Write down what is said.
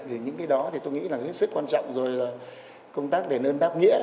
vì những cái đó thì tôi nghĩ là rất quan trọng rồi là công tác để nâng đáp nghĩa